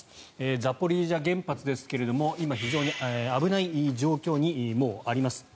ザポリージャ原発ですが今非常に危ない状況にもう、あります。